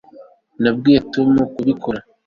nabwiye tom kubikora